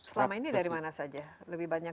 selama ini dari mana saja